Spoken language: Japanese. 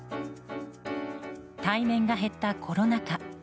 対面が減ったコロナ禍。